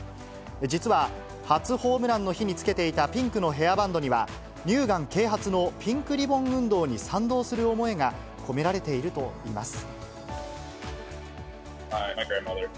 実は、初ホームランの日につけていたピンクのヘアバンドには、乳がん啓発のピンクリボン運動に賛同する思いが込められているといいます。